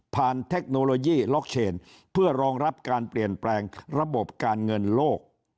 เทคโนโลยีล็อกเชนเพื่อรองรับการเปลี่ยนแปลงระบบการเงินโลก